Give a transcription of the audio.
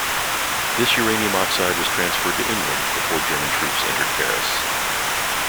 This uranium oxide was transferred to England before German troops entered Paris.